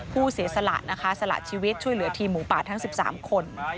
เสียสละนะคะสละชีวิตช่วยเหลือทีมหมูป่าทั้ง๑๓คน